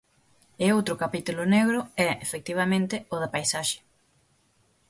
E outro capítulo negro é efectivamente o da paisaxe.